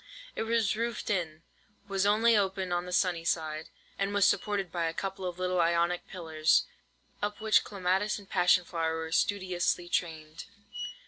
It was roofed in, was open only on the sunny side, and was supported by a couple of little Ionic pillars, up which clematis and passion flower were studiously trained.